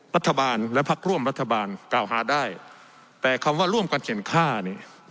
รัฐบาลและพักร่วมรัฐบาลกล่าวหาได้แต่คำว่าร่วมกันเข็นค่านี่